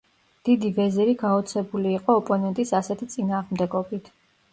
დიდი ვეზირი გაოცებული იყო ოპონენტის ასეთი წინააღმდეგობით.